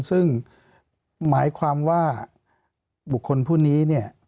ซึ่งหมายความว่าบุคคลผู้นี้เนี่ย